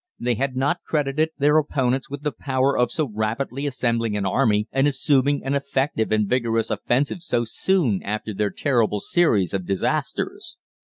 They had not credited their opponents with the power of so rapidly assembling an army and assuming an effective and vigorous offensive so soon after their terrible series of disasters.